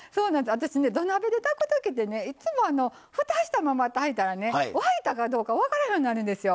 私、土鍋で炊くときいつも、ふたしたまま炊いたら沸いたかどうか分からへんようになるんですよ。